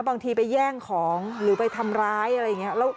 บางทีไปแย่งของหรือไปทำร้ายอะไรอย่างนี้